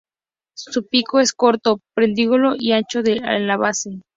Su pico es corto, puntiagudo y ancho en la base.